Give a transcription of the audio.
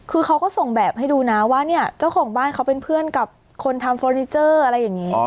คือเขาก็ส่งแบบให้ดูนะว่าเนี่ยเจ้าของบ้านเขาเป็นเพื่อนกับคนทำเฟอร์นิเจอร์อะไรอย่างนี้